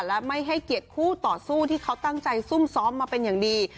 และไม่ให้เกียรติคู่ต่อสู้ที่เขาตั้งใจซุ่มซ้อมมาเป็นอย่างดี